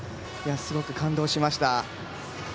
すごく感動しました。